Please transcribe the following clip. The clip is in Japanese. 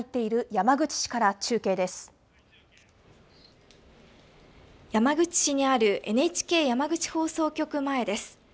山口市にあるＮＨＫ山口放送局前です。